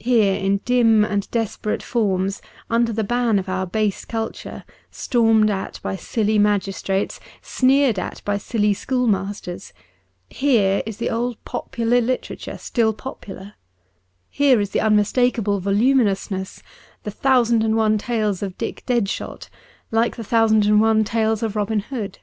Here in dim and desperate forms, under the ban of our base culture, stormed at by silly magistrates, sneered at by silly schoolmasters — here is the old popular literature still popular ; here is the unmistakable voluminousness, the thousand and one tales of Dick Deadshot, like the thousand and one tales of Robin Hood.